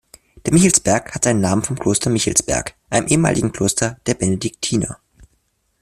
Der Michelsberg hat seinen Namen vom Kloster Michelsberg, einem ehemaligen Kloster der Benediktiner.